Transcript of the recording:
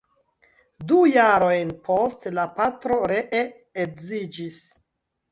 Du jarojn poste la patro ree edziĝis.